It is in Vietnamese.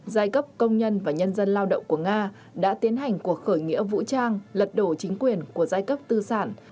giai cấp công nhân và nhân dân lao động của nga đã tiến hành cuộc khởi nghĩa vũ trang lật đổ chính quyền của giai cấp tư sản